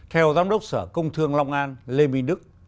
theo giám đốc sở công thương long an lê minh đức